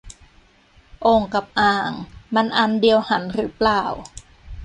โอ่ง กับ อ่าง มันอันเดียวหันหรือเปล่า